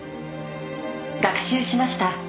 「学習しました。